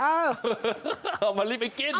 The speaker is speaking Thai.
เอ้าเอามะลิไปกิน